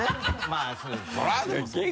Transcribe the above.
まぁそうですね。